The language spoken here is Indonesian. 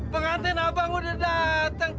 pengantin abang udah datang